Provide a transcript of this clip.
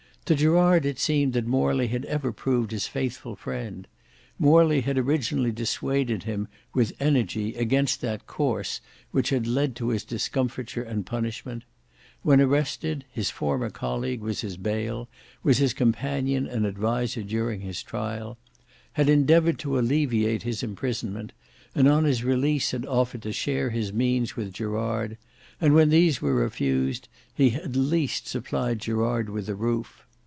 To Gerard it seemed that Morley had ever proved his faithful friend: Morley had originally dissuaded him with energy against that course which had led to his discomfiture and punishment; when arrested, his former colleague was his bail, was his companion and adviser during his trial; had endeavoured to alleviate his imprisonment; and on his release had offered to share his means with Gerard, and when these were refused, he at least supplied Gerard with a roof.